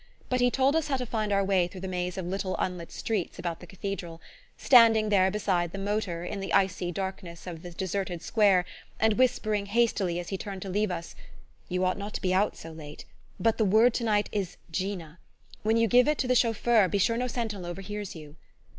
But he told us how to find our way through the maze of little unlit streets about the Cathedral; standing there beside the motor, in the icy darkness of the deserted square, and whispering hastily, as he turned to leave us: "You ought not to be out so late; but the word tonight is Jena. When you give it to the chauffeur, be sure no sentinel overhears you."